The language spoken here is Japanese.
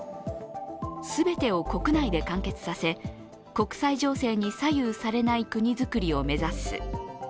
全てを国内で完結させ、国際情勢に左右されない国造りを目指す。